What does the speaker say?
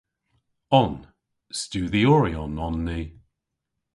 On. Studhyoryon on ni.